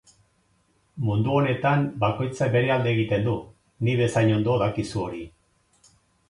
Mundu honetan bakoitzak bere alde egiten du, nik bezain ondo dakizu hori.